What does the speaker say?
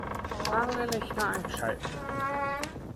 Alle Lichter einschalten